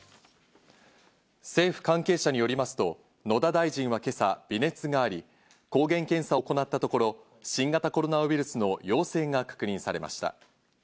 政府関係者によりますと、野田大臣は今朝、微熱があり抗原検査を行ったところ新型コロナウイルスの陽性が確認されました。